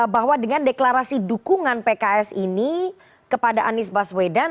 bahwa dengan deklarasi dukungan pks ini kepada anies baswedan